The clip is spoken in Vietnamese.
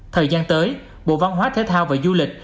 thời gian tới bộ văn hóa thể thao và du lịch